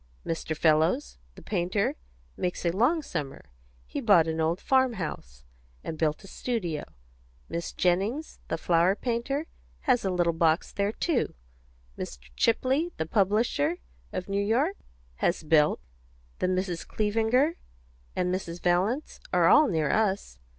Mr. Fellows, the painter, makes a long summer; he bought an old farm house, and built a studio; Miss Jennings, the flower painter, has a little box there, too; Mr. Chapley, the publisher, of New York, has built; the Misses Clevinger, and Mrs. Valence, are all near us.